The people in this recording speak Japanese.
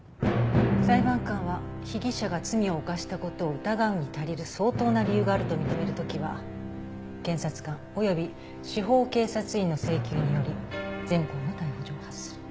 裁判官は被疑者が罪を犯した事を疑うに足りる相当な理由があると認める時は検察官及び司法警察員の請求により前項の逮捕状を発する。